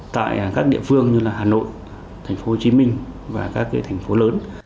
tại các địa phương như hà nội tp hcm và các thành phố lớn